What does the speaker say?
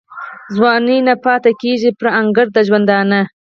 ځواني نه پاته کیږي پر انګړ د ژوندانه